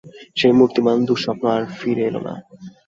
সেই মূর্তিমান দুঃস্বপ্ন আর ফিরে এল না।